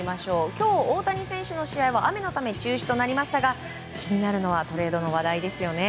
今日、大谷選手の試合は雨のため中止となりましたが気になるのはトレードの話題ですよね。